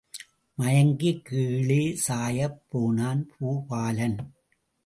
மயங்கிக் கீழே சாயப் போனான் பூபாலன்.